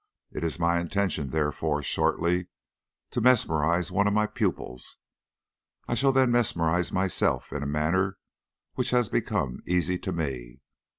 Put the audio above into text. It is my intention, therefore, shortly to mesmerise one of my pupils. I shall then mesmerise myself in a manner which has become easy to me.